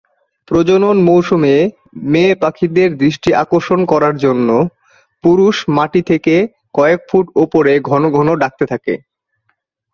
প্রজনন মৌসুমে, মেয়ে পাখিদের দৃষ্টি আকর্ষণ করার জন্য, পুরুষ মাটি থেকে কয়েক ফুট ওপরে ঘনঘন ডাকতে থাকে।